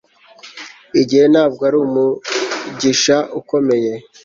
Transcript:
igihe ntabwo ari umwigisha ukomeye